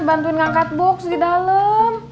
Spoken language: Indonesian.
bantuin ngangkat box di dalam